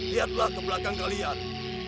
lihatlah ke belakang kalian